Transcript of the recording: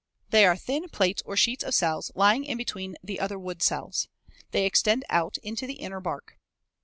They are thin plates or sheets of cells lying in between the other wood cells. They extend out into the inner bark.